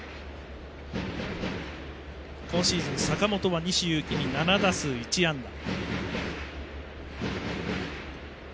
今シーズン坂本は西勇輝に７打数１安打。